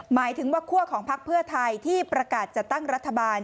หมายถึงว่าคั่วของพักเพื่อไทยที่ประกาศจัดตั้งรัฐบาล